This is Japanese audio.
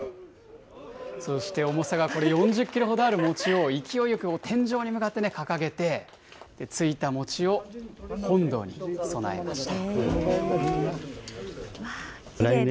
そして、重さ４０キロほどある餅を、勢いよく天井に向かって掲げて、ついた餅を本堂に供えました。